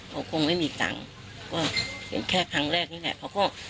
เขาคงไม่มีตังค์ก็เห็นแค่ครั้งแรกนี่แหละเขาก็